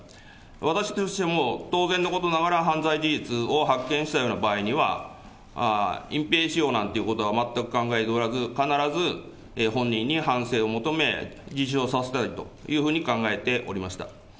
私どもとしても、当然のことながら犯罪事実を発見したような場合には、隠ぺいしようなんていうことは全く考えておらず、必ず本人に反省を求め、をさせたいというふうに考えておりました。